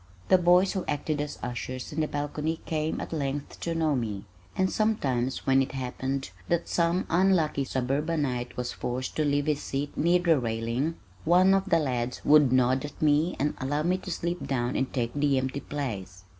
The boys who acted as ushers in the balcony came at length to know me, and sometimes when it happened that some unlucky suburbanite was forced to leave his seat near the railing, one of the lads would nod at me and allow me to slip down and take the empty place.